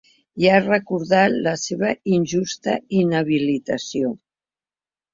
I ha recordat la seva “injusta inhabilitació”.